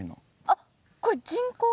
あっこれ人工。